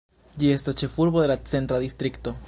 Ĝi estas ĉefurbo de la Centra distrikto.